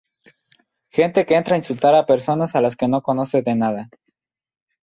Gente que entra a insultar a personas a las que no conoce de nada.